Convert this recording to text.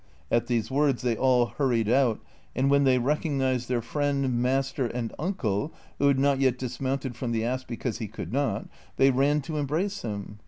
At these words they all hurried out, and when they recog nized their friend, master, and uncle, who had not yet dis mounted from the ass because he could not, they ran to embrace him.